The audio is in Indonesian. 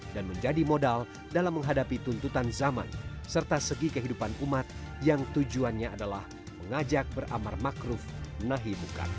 dan menjadi modal dalam menghadapi tuntutan zaman serta segi kehidupan umat yang tujuannya adalah mengajak beramar makruf menahi mukana